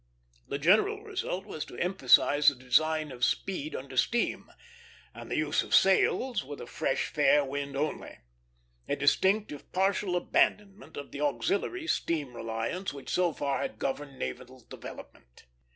The general result was to emphasize the design of speed under steam, and the use of sails with a fresh, fair wind only; a distinct, if partial, abandonment of the "auxiliary" steam reliance which so far had governed naval development.